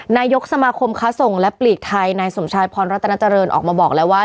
นายกสมาคมค้าส่งและปลีกไทยนายสมชายพรรัตนาเจริญออกมาบอกแล้วว่า